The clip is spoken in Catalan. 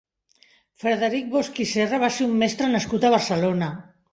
Frederic Bosch i Serra va ser un mestre nascut a Barcelona.